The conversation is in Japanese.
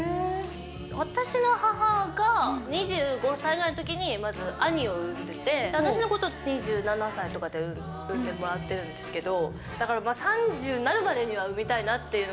私の母が２５歳ぐらいのときに、まず兄を産んでて、私のこと、２７歳とかで産んでもらってるんですけど、だから３０になるまでには産みたいなっていう。